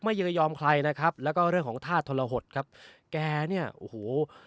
เยือยอมใครนะครับแล้วก็เรื่องของท่าทรหดครับแกเนี่ยโอ้โห